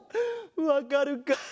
わかるか？